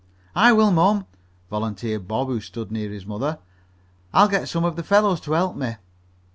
"I will, mom," volunteered Bob, who stood near his mother. "I'll get some of the fellows to help me."